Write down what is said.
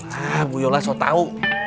nah bu yola sholat tau